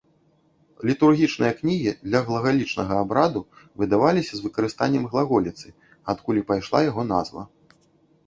Літургічныя кнігі для глагалічнага абраду выдаваліся з выкарыстаннем глаголіцы, адкуль і пайшла яго назва.